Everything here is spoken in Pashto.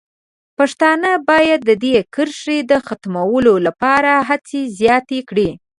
پښتانه باید د دې کرښې د ختمولو لپاره هڅې زیاتې کړي.